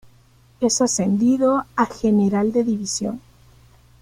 Es ascendido a General de División.